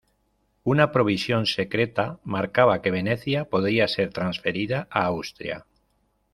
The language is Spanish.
Una provisión secreta, marcaba que Venecia podría ser transferida a Austria.